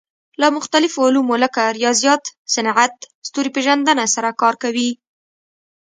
له مختلفو علومو لکه ریاضیات، صنعت، ستوري پېژندنه سره کار کوي.